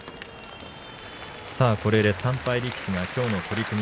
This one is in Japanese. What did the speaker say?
これで３敗力士がきょうの取組